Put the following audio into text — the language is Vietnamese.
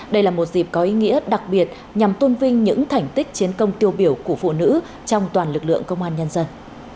đây là một dịp có ý nghĩa đặc biệt nhằm tôn vinh những thành tích chiến công tiêu biểu của phụ nữ trong toàn lực lượng công an nhân dân